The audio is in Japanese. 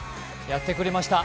やってくれました。